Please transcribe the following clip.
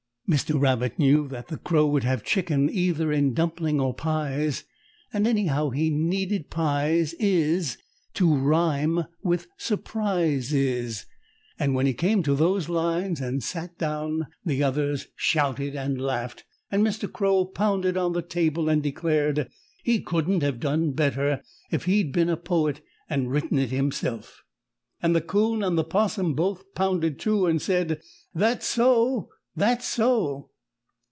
Mr. Rabbit knew that the Crow would have chicken either in dumpling or pies, and anyhow he needed "pies is" to rhyme with "surprises," and when he came to those lines and sat down the others shouted and laughed and Mr. Crow pounded on the table and declared he couldn't have done better if he'd been a poet and written it himself! And the 'Coon and the 'Possum both pounded too and said "That's so! That's so!"